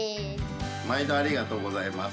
まいどありがとうございます。